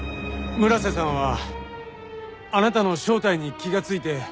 村瀬さんはあなたの正体に気がついて。